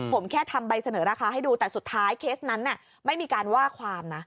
ผมแค่ทำใบเสนอราคาให้ดูแต่สุดท้ายเคสนั้นไม่มีการว่าความนะ